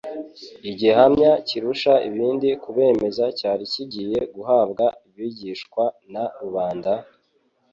Igihamya kirusha ibindi kubemeza cyari kigiye guhabwa abigishwa na rubanda,